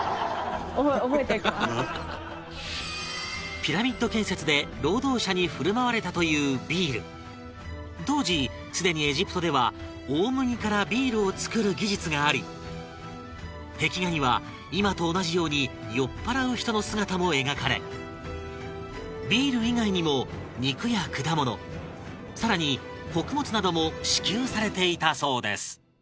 ピラミッド建設で、労働者に振る舞われたというビール当時、すでにエジプトでは大麦からビールを作る技術があり壁画には、今と同じように酔っ払う人の姿も描かれビール以外にも、肉や果物さらに、穀物なども支給されていたそうです